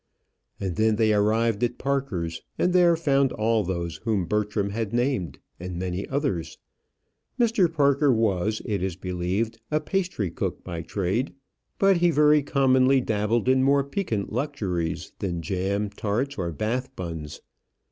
And then they arrived at Parker's, and there found all those whom Bertram had named, and many others. Mr. Parker was, it is believed, a pastrycook by trade; but he very commonly dabbled in more piquant luxuries than jam tarts or Bath buns.